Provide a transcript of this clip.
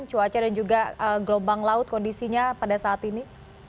cuaca dan juga gelombang laut kondisinya pada saat ini